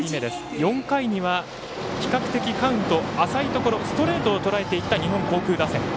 ４回には比較的、カウント浅いところ、ストレートをとらえていた、日本航空打線。